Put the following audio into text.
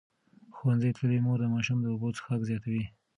ښوونځې تللې مور د ماشوم د اوبو څښاک زیاتوي.